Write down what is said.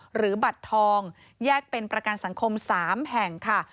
หรือบัตรทองแยกเป็นประกันสังคม๓แห่งค่ะ